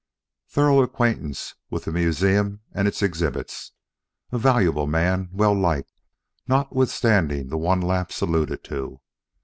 Thorough acquaintance with the museum and its exhibits. A valuable man, well liked, notwithstanding the one lapse alluded to.